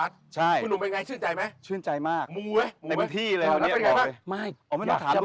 เริ่มทางมาสองวัดคุณหนูเป็นยังไงชื่นใจไหม